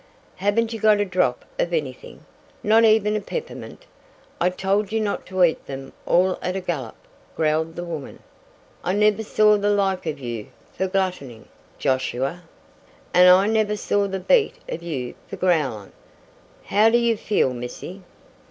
"Heven't you got a drop of anything? Not even a peppermint? I told you not to eat them all at a gullup," growled the woman. "I never saw the like of you fer gluttonin', Josiah!" "And I never saw the beat of you fer growlin'. How do you feel, missy?"